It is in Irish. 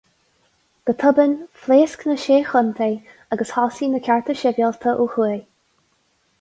Go tobann, phléasc na Sé Chontae agus thosaigh na cearta sibhialta ó thuaidh.